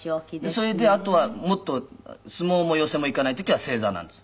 それであとはもっと相撲も寄席も行かない時は正座なんです。